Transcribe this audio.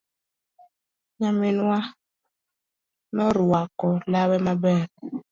Nyaminwa norwako lawe maber.